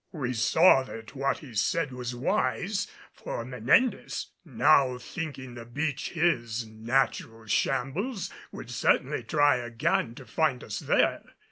We saw that what he said was wise, for Menendez, now thinking the beach his natural shambles, would certainly try again to find us there.